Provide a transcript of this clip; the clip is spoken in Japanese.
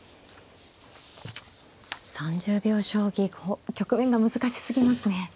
３０秒将棋局面が難しすぎますね。